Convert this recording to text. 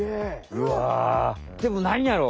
うわでもなんやろう？